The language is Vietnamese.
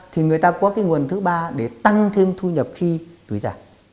thì người ta có cái nguồn thứ ba để tăng thêm thu nhập khi túi giả